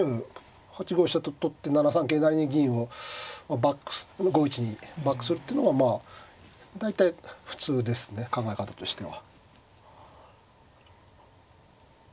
８五飛車と取って７三桂成に銀を５一にバックするってのはまあ大体普通ですね考え方としては。